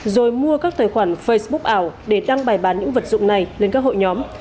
rồi mua các tài khoản facebook ảo để đăng bài bán những vật dụng này lên các hội nhóm